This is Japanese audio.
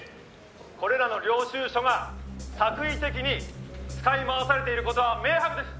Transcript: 「これらの領収書が作為的に使い回されている事は明白です！